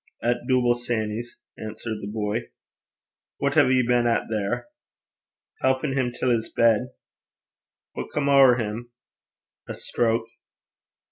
'At Dooble Sanny's,' answered the boy. 'What hae ye been at there?' 'Helpin' him till 's bed.' 'What's come ower him?' 'A stroke.'